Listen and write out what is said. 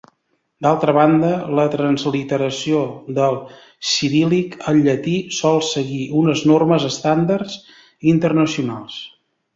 D'altra banda, la transliteració del ciríl·lic al llatí sol seguir unes normes estàndards internacionals.